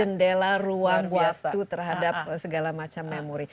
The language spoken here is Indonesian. jendela ruang waktu terhadap segala macam memori